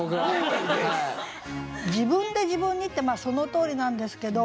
「自分で自分に」ってそのとおりなんですけど。